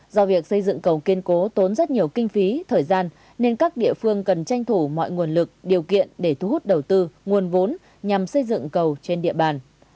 do việc xây dựng cầu kiên cố tốn rất nhiều kinh phí thời gian nên các địa phương cần tranh thủ mọi nguồn lực điều kiện để thu hút đầu tư nguồn vốn nhằm xây dựng cầu trên địa bàn